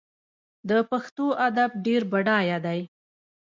د پښتو ادب ډیر بډایه دی.